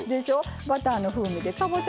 バターの風味でかぼちゃ